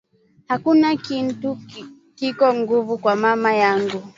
Akuna kintu kiko nguvu kwa mama yangu